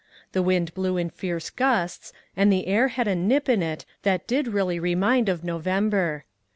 The wind blew in fierce gusts and the air had a nip in it that did really remind of November.